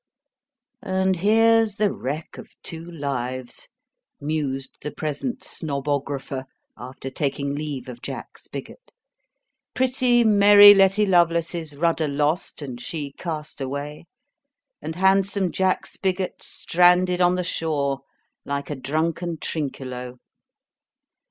'And here's the wreck of two lives!' mused the present Snobographer, after taking leave of Jack Spiggot. 'Pretty merry Letty Lovelace's rudder lost and she cast away, and handsome Jack Spiggot stranded on the shore like a drunken Trinculo.'